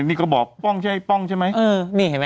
นี่ก็บอกป้องใช่ป้องใช่ไหม